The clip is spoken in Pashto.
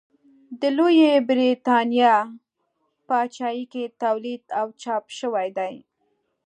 د لویې برېتانیا پاچاهۍ کې تولید او چاپ شوي دي.